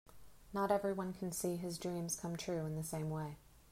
Not everyone can see his dreams come true in the same way.